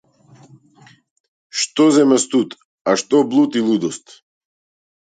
Што зема студ, а што блуд и лудост.